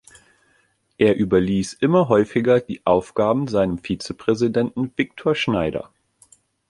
Er überließ immer häufiger die Aufgaben seinem Vizepräsidenten Victor Schneider.